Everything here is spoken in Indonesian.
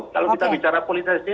kalau kita bicara politisnya